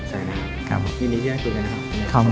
ใส่น้ำยินดีที่ได้คุณนะครับ